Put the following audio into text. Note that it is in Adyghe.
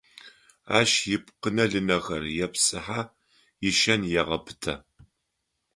Ащ ипкъынэ-лынэхэр епсыхьэ, ишэн егъэпытэ.